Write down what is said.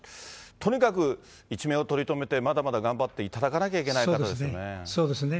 とにかく一命を取り留めて、まだまだ頑張っていただかなきゃいけない方ですよね。